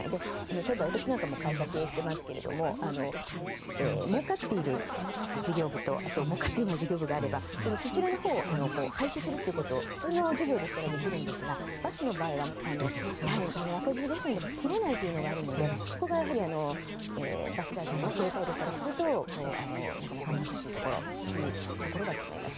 例えば、私なんかも会社を経営していますけどもうかっている事業部ともうかっていない事業部があればそちらのほうを廃止するということを普通の事業ならできるんですがバスの場合は赤字路線でも切れないというのがあるのでそこがバス会社の経営サイドからするとなかなか難しいというところだと思います。